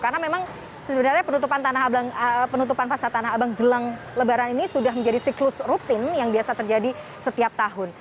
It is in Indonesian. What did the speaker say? karena memang sebenarnya penutupan pasar tanah abang jelang lebaran ini sudah menjadi siklus rutin yang biasa terjadi setiap tahun